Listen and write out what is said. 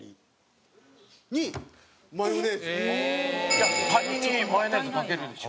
いやカニにマヨネーズかけるでしょ？